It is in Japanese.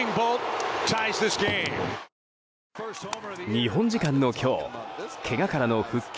日本時間の今日けがからの復帰